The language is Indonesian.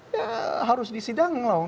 ya harus disidang loh